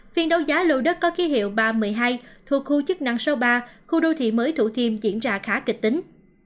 phiên đấu giá lô đất có ký hiệu ba trăm một mươi hai thuộc khu chức năng số ba khu đô thị mới thủ thiêm diễn ra khá kịch tính